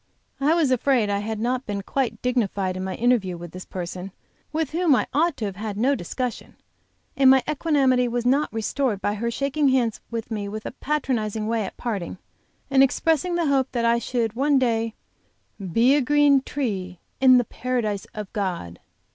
I was afraid I had not been quite dignified in my interview with this person, with whom I ought to have had no discussion, and my equanimity was not restored by her shaking hands with me a patronizing way at parting, and expressing the hope that I should one day "be a green tree in the Paradise of God."